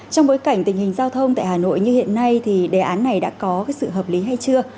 trong bối cảnh tình hình giao thông tại hà nội như hiện nay thì đề án này đã có sự hợp lý hay chưa